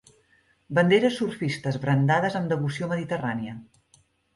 Banderes surfistes brandades amb devoció mediterrània.